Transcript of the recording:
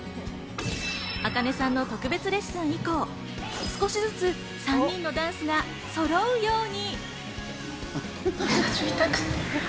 ａｋａｎｅさんの特別レッスン以降、少しずつ３人のダンスがそろうように。